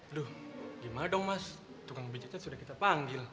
aduh gimana dong mas tukang becaknya sudah kita panggil